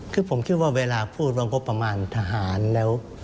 คือผมคิดว่าเวลาพูดว่างบประมาณทหารแล้ว